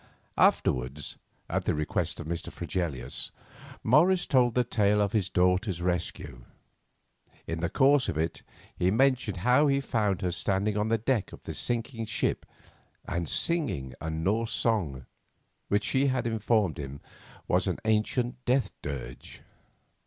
Afterwards, at the request of Mr. Fregelius, Morris told the tale of his daughter's rescue. In the course of it he mentioned how he found her standing on the deck of the sinking ship and singing a Norse song, which she had informed him was an ancient death dirge.